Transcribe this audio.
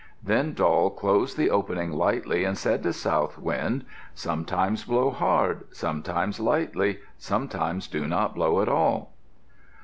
Then Doll closed the opening lightly and said to South Wind, "Sometimes blow hard, sometimes lightly. Sometimes do not blow at all."